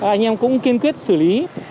anh em cũng kiên quyết xử lý